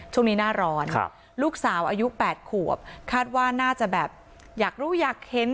ช่วงนี้หน้าร้อนลูกสาวอายุ๘ขวบคาดว่าน่าจะแบบอยากรู้อยากเห็น